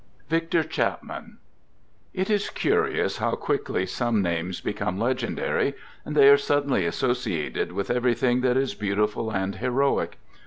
VICTOR CHAPMAN It is curious how quickly some names become legen ^ dary, and they are suddenly associated with every thing that is beautiful and heroic.